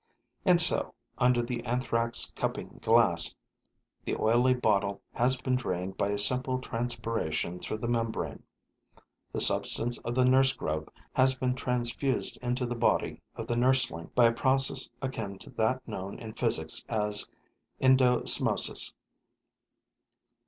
And so, under the Anthrax' cupping glass, the oily bottle has been drained by a simple transpiration through the membrane; the substance of the nurse grub has been transfused into the body of the nursling by a process akin to that known in physics as endosmosis.